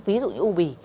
ví dụ như u bì